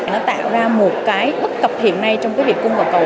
nó tạo ra một cái bất cập hiện nay trong cái việc cung cầu cầu